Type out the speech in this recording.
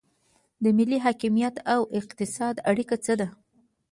د ملي حاکمیت او اقتصاد اړیکه څه ده؟